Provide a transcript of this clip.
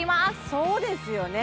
そうですよね